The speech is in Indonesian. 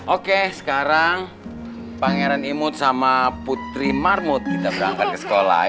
oke sekarang pangeran imut sama putri marmut kita berangkat ke sekolah